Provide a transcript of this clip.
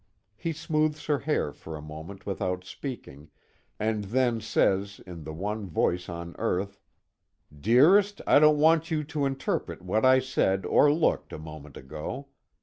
He smooths her hair for a moment without speaking, and then says in the one voice on earth: "Dearest, I don't want you to interpret what I said, or looked, a moment ago.